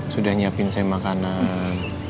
sudah nyiapin saya makanan